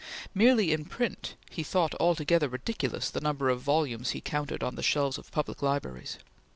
Merely in print, he thought altogether ridiculous the number of volumes he counted on the shelves of public libraries.